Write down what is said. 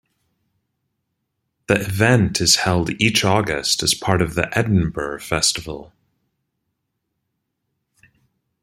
The event is held each August as part of the Edinburgh Festival.